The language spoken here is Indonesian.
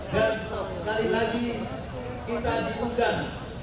dan sekali lagi kita dihukumkan